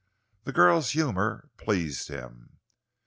The girl's humour pleased him.